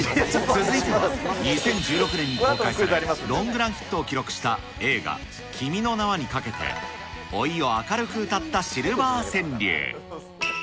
続いては２０１６年に公開され、ロングランヒットを記録した映画、君の名は。にかけて、老いを明るく歌ったシルバー川柳。